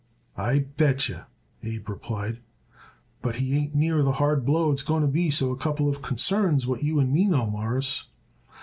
"I bet yer," Abe replied, "but it ain't near the hard blow it's going to be to a couple of concerns what you and me know, Mawruss.